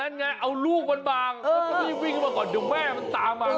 ไงเอาลูกมันบางแล้วก็รีบวิ่งเข้ามาก่อนเดี๋ยวแม่มันตามมา